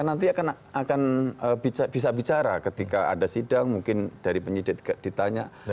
nanti akan bisa bicara ketika ada sidang mungkin dari penyidik ditanya